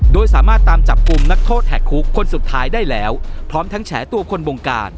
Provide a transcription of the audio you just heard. โดยสามารถตามจับกลุ่มนักโทษแหกคุกคนสุดท้ายได้แล้วพร้อมทั้งแฉตัวคนวงการ